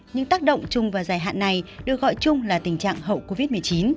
những tác động trung và dài hạn này được gọi trung là tình trạng hậu covid một mươi chín